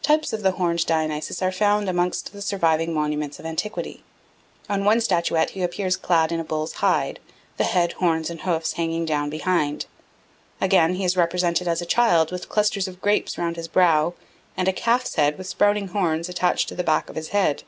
Types of the horned Dionysus are found amongst the surviving monuments of antiquity. On one statuette he appears clad in a bull's hide, the head, horns, and hoofs hanging down behind. Again, he is represented as a child with clusters of grapes round his brow, and a calf's head, with sprouting horns, attached to the back of his head.